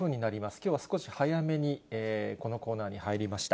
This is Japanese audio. きょうは少し早めに、このコーナーに入りました。